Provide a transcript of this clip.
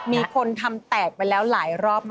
มีคนทำแตกไปแล้วหลายรอบมาก